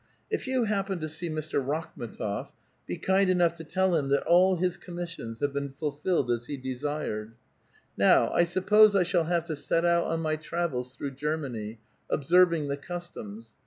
If you happen to see Mr KaklHu6tof, be kind enough to tell him that all his commis sions liave been fulfilled as he desired. Now I suppose I shall have to set out on my travels through Germany, observing the customs.